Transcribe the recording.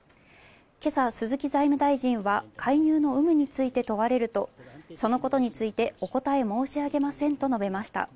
今朝、鈴木財務大臣は介入の有無について問われると、そのことについてお答え申し上げませんと述べました。